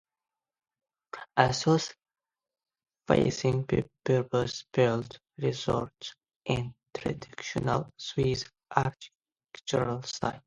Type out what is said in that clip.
A south-facing purpose-built resort in traditional Swiss architectural style.